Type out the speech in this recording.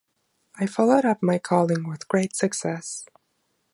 I followed up my calling with great success.